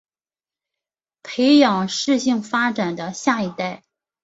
培养适性发展的下一代